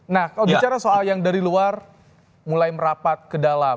nah kalau bicara soal yang dari luar mulai merapat ke dalam